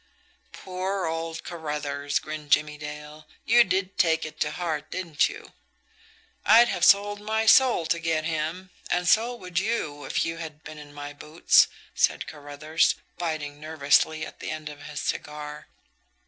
"Poor old Carruthers!" grinned Jimmie Dale. "You did take it to heart, didn't you?" "I'd have sold my soul to get him and so would you, if you had been in my boots," said Carruthers, biting nervously at the end of his cigar.